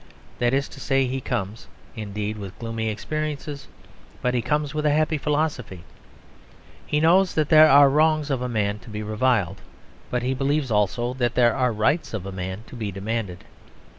That is to say, he comes, indeed, with gloomy experiences, but he comes with a happy philosophy. He knows that there are wrongs of man to be reviled; but he believes also that there are rights of man to be demanded.